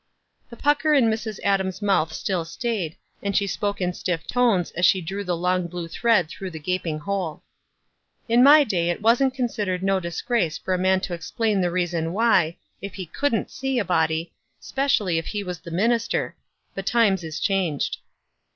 The pucker in Mrs. Adams' mouth still starred, and she spoke in stiff tones as she drew the long blue thread through the gaping hole. "In my day it wasn't considered no disgrace for a. man to explain the reason why, if he couldn't see a body, 'specially if he was the min ister ; but times is changed."